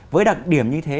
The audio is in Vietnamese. với đặc điểm như thế